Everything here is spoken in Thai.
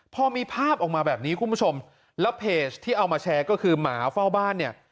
พอมีภาพออกมาแบบนี้คุณผู้ชมแล้วเพจที่เอามาแชร์ก็คือหมาเฝ้าบ้านเนี่ย